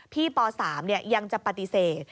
พี่ป๓เนี่ยยังจะปฏิเสธ